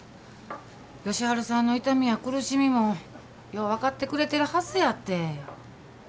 佳晴さんの痛みや苦しみもよう分かってくれてるはずやて。